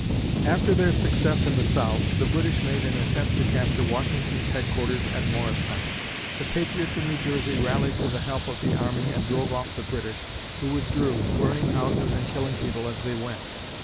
After their success in the South, the British made an attempt to capture Washington's headquarters at Morristown. The patriots of New Jersey rallied to the help of the army and drove off the British, who withdrew, burning houses and killing people as they went.